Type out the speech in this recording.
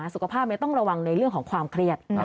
สุขภาพต้องระวังในเรื่องของความเครียด